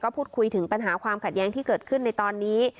พูดคุยถึงปัญหาความขัดแย้งที่เกิดขึ้นในตอนนี้